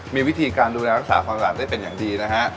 มีวิธีการดูแลรักษาความสะอาดได้เป็นอย่างดีนะฮะ